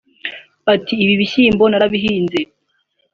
Ati"Ibi bishyimbo narabihinze